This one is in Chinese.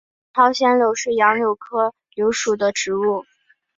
朝鲜柳是杨柳科柳属的植物。